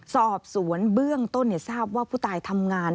สอบสวนเบื้องต้นทราบว่าผู้ตายทำงาน